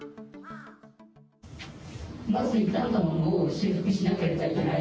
まず傷んだものを修復しなければいけない。